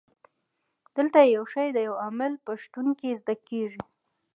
دلته یو شی د یو عامل په شتون کې زده کیږي.